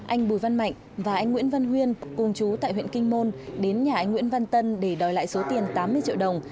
anh bùi văn mạnh và anh nguyễn văn huyên cùng chú tại huyện kinh môn đến nhà anh nguyễn văn tân để đòi lại số tiền tám mươi triệu đồng